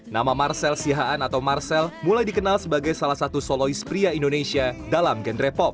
nama marcel sihaan atau marcel mulai dikenal sebagai salah satu solois pria indonesia dalam genre pop